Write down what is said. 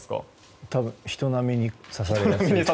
多分、人並みに刺されますね。